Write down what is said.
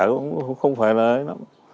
cũng không phải là ấy lắm